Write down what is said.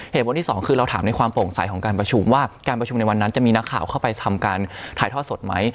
เหตุผลที่สองคือเราถามในความโปร่งใสของการประชุมว่าการประชุมในวันนั้นจะมีนักข่าวเข้าไปทำการถ่ายทอดสดไหม